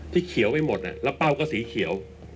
เขียวไปหมดแล้วเป้าก็สีเขียว